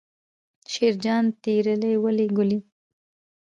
شیرجان تېرې ولي ګولۍ.